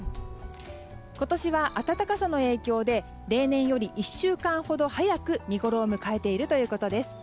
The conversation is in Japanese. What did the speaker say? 今年は暖かさの影響で例年より１週間ほど早く見ごろを迎えているということです。